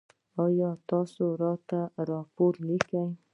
ایا تاسو راته راپور لیکئ؟